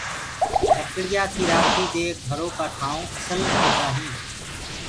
لڙيآ ڪي رآکي دي گھرو ڪآ ٺآئونٚ اسل ملدآ هينٚ۔